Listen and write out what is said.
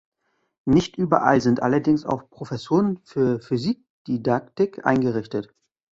Nicht überall sind allerdings auch Professuren für Physikdidaktik eingerichtet.